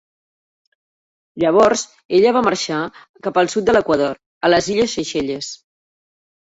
Llavors, ella va marxar cap al sud de l'equador, a les illes Seychelles.